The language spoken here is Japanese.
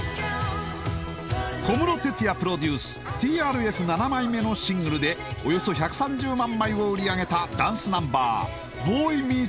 小室哲哉プロデュースＴＲＦ７枚目のシングルでおよそ１３０万枚を売り上げたダンスナンバー「ＢＯＹＭＥＥＴＳＧＩＲＬ」